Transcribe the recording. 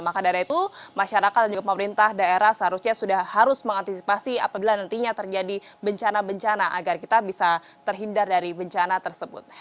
maka dari itu masyarakat dan juga pemerintah daerah seharusnya sudah harus mengantisipasi apabila nantinya terjadi bencana bencana agar kita bisa terhindar dari bencana tersebut